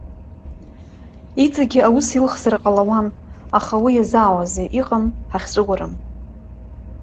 Иҵегьы аус илхзар ҟалауан, аха уи иазаауазеи, иҟам ҳахьҵәыуарым.